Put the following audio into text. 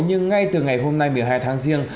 nhưng ngay từ ngày hôm nay một mươi hai tháng riêng